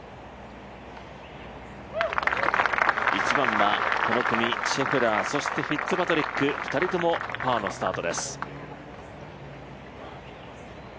１番はこの組シェフラー、そしてフィッツパトリック、２人ともパーのスタートです。